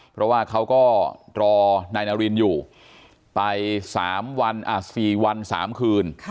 เพราะว่าเขาก็รอนายนารินอยู่ไป๓วัน๔วัน๓คืน